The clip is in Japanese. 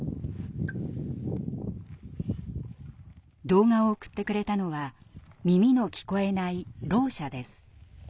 動画を送ってくれたのは耳の聞こえない「ろう者」です。